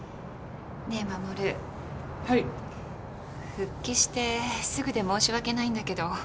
復帰してすぐで申し訳ないんだけど。